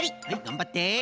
がんばって。